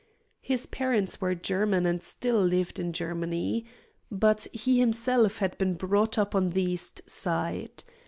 His parents were German and still lived in Germany. But he himself had been brought up on the East Side.